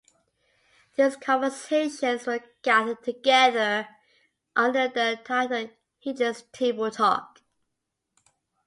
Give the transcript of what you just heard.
These conversations were gathered together under the title Hitler's Table Talk.